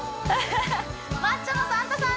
マッチョのサンタさん